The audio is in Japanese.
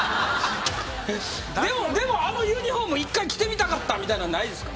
でもあのユニホーム１回着てみたかったみたいなんないですか？